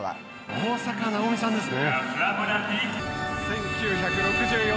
大坂なおみさんですね。